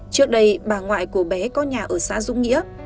trước đây bà ngoại của bé có nhà ở xã dũng nghĩa